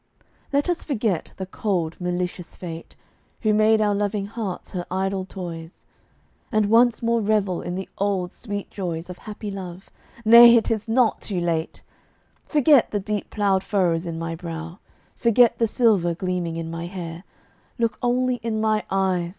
Let us forget the cold, malicious Fate Who made our loving hearts her idle toys, And once more revel in the old sweet joys Of happy love. Nay, it is not too late! Forget the deep ploughed furrows in my brow; Forget the silver gleaming in my hair; Look only in my eyes!